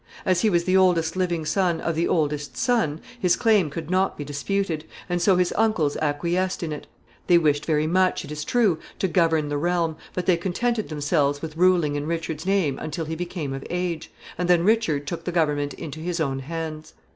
As he was the oldest living son of the oldest son, his claim could not be disputed, and so his uncles acquiesced in it. They wished very much, it is true, to govern the realm, but they contented themselves with ruling in Richard's name until he became of age, and then Richard took the government into his own hands.